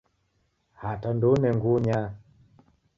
Hata ndoune ngunya.